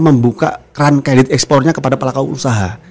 membuka keran kredit ekspornya kepada pelaku usaha